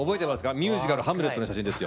ミュージカル「ハムレット」の写真ですよ。